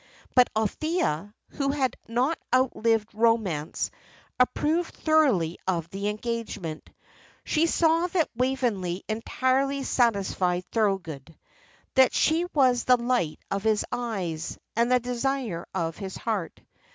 But Althea, who had not outlived romance, approved thoroughly of the engagement. She saw that Waveney entirely satisfied Thorold that she was the light of his eyes, and the desire of his heart.